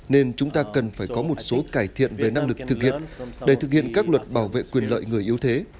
nên chúng ta cần phải có một số cải thiện về năng lực thực hiện để thực hiện các luật bảo vệ quyền lợi người yếu thế